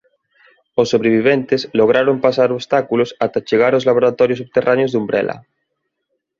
Os sobreviventes lograron pasar obstáculos ata chegar aos laboratorios subterráneos de Umbrella.